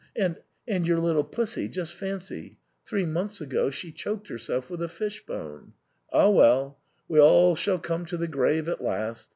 And — and your little pussy, just fancy, three months ago she choked herself with a fish bone. Ah well, we all shall come to the grave at last.